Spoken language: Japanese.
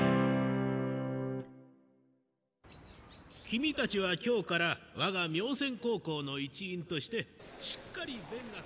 君たちは今日から我が明泉高校の一員としてしっかり勉学。